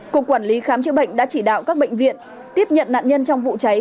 cục quản lý khám chữa bệnh đã chỉ đạo các bệnh viện tiếp nhận nạn nhân trong vụ cháy